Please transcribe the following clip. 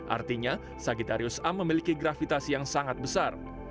artinya sagittarius a memiliki gravitasi yang sangat besar